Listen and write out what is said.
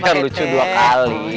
biar lucu dua kali